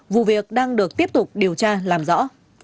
vụ việc đang được tiếp tục điều tra làm rõ